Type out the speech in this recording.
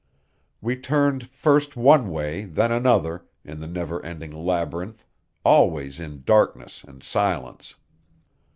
We turned first one way, then another, in the never ending labyrinth, always in darkness and silence.